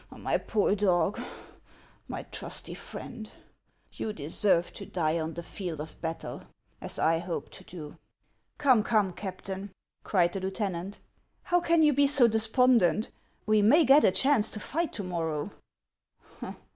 My poor dog! my trusty friend ! You deserved to die on the field of battle, as I hope to do." " Come, come, Captain !" cried the lieutenant, " how can you be so despondent ? We may get a chance to fight to morrow."